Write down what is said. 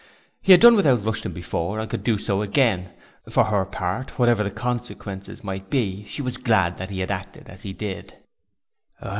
He had done without Rushton before and could do so again; for her part whatever the consequences might be she was glad that he had acted as he did.